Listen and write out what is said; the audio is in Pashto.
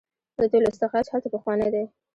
د تیلو استخراج هلته پخوانی دی.